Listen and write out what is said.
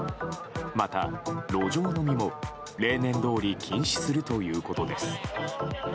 また路上飲みも、例年どおり禁止するということです。